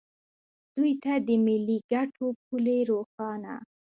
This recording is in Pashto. دوی ته د ملي ګټو پولې روښانه